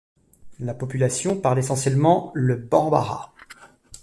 La population parle essentiellement le bambara.